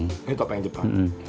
ini topeng jepang